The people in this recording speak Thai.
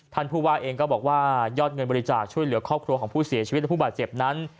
ท่านผู้ว่าเองก็บอกว่ายอดเงินบริจาคช่วยเหลือครอบครัวของผู้เสียชีวิตและผู้บาดเจ็บนั้น